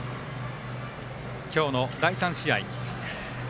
今日の第３試合。